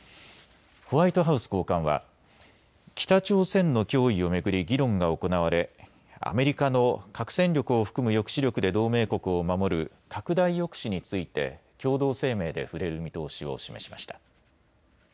ホワイトハウス高官は北朝鮮の脅威を巡り議論が行われアメリカの核戦力を含む抑止力で同盟国を守る拡大抑止について共同声明で触れる見通しを示しました。